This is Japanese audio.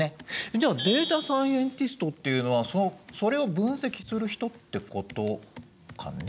じゃあデータサイエンティストっていうのはそれを分析する人ってことかね？